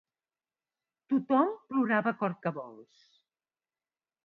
Tothom plorava a cor que vols